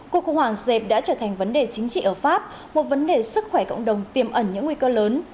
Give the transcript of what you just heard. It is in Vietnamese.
cuộc khủng hoảng dẹp đã trở thành vấn đề chính trị ở pháp một vấn đề sức khỏe cộng đồng tiềm ẩn những nguy cơ lớn